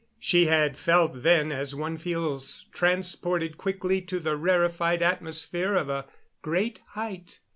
She had felt then as one feels transported quickly to the rarified atmosphere of a great height.